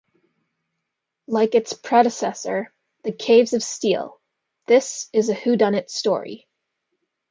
Like its predecessor, "The Caves of Steel", this is a whodunit story.